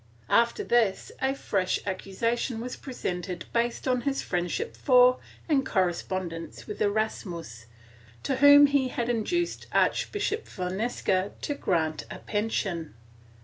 After this a fresh accusation was presented based on his friendship for and correspondence with Erasmus, to whom he had induced Archbishop Fonseca to grant a pension.